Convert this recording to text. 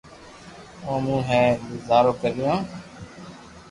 او مون ھي گزارو ڪرتو